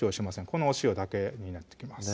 このお塩だけになってきます